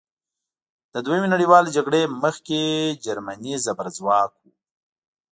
له دویمې نړیوالې جګړې مخکې جرمني زبرځواک وه.